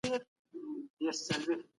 هغه ماشینونه چې نوي دي کارونه اسانه کوي.